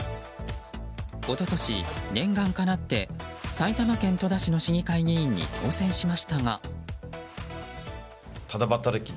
一昨年、念願かなって埼玉県戸田市の市議会議員に当選しましたが。